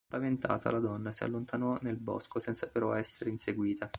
Spaventata la donna si allontanò nel bosco senza però essere inseguita.